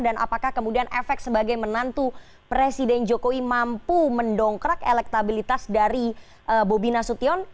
dan apakah kemudian efek sebagai menantu presiden jokowi mampu mendongkrak elektabilitas dari bobi nasution